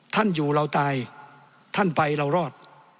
ท่านอยู่เราตายท่านไปเรารอด